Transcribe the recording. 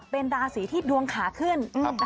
เป็นราศีที่ดวงขาขึ้น